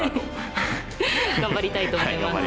頑張りたいと思います。